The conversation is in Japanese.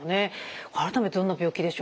改めてどんな病気でしょうか？